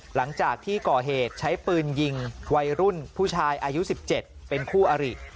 หลังจากที่ก่อเหตุใช้ปืนยิงวัยรุ่นผู้ชายอายุ๑๗เป็นคู่อริ